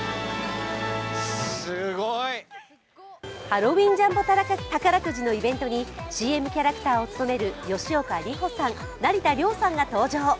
ハロウィンジャンボ宝くじのイベントに、ＣＭキャラクターを務める吉岡里帆さん、成田凌さんが登場。